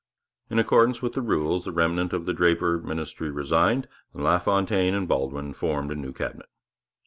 In accordance with the rules the remnant of the Draper ministry resigned, and LaFontaine and Baldwin formed a new Cabinet.